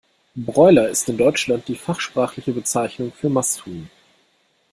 Broiler ist in Deutschland die fachsprachliche Bezeichnung für Masthuhn.